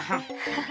ハハハ